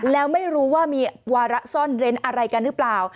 แล้วไม่รู้ว่ามีวาระซ่อนเร้นอะไรกันหรือเปล่า